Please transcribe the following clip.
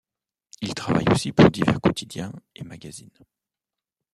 Il travaille aussi pour divers quotidiens et magazines.